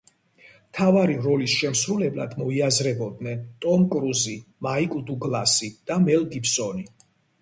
მთავარი როლის შემსრულებლად მოიაზრებოდნენ ტომ კრუზი, მაიკლ დუგლასი და მელ გიბსონი.